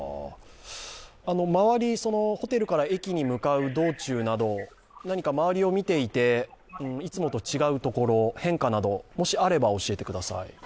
周り、ホテルから駅に向かう道中など周りを見ていていつもと違うところ、変化など、もしあれば教えてください。